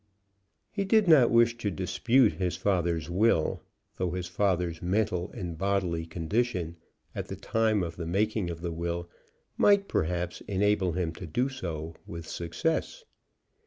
He did not wish to dispute his father's will, though his father's mental and bodily condition at the time of the making of the will might, perhaps, enable him to do so with success.